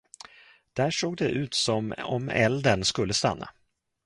Där såg det ut som om elden skulle stanna.